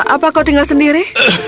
apa kau tinggal sendiri